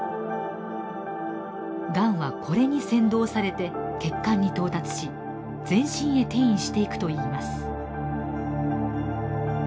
がんはこれに先導されて血管に到達し全身へ転移していくといいます。